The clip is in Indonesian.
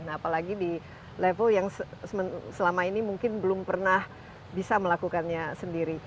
apalagi di level yang selama ini mungkin belum pernah bisa melakukannya sendiri